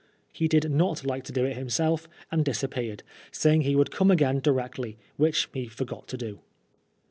He did not like to do it himself and disappeared, saying he would come again directly, which he forgot to do.